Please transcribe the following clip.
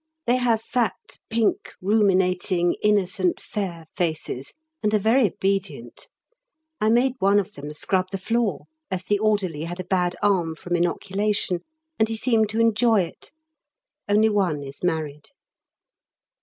They have fat, pink, ruminating, innocent, fair faces, and are very obedient. I made one of them scrub the floor, as the Orderly had a bad arm from inoculation, and he seemed to enjoy it. Only one is married.